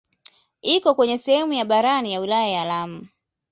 Iko kwenye sehemu ya barani ya wilaya ya Lamu.